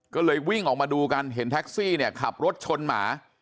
ก็เลยวิ่งออกมาดูกันเห็นแท็กซี่เนี่ยขับรถชนหมา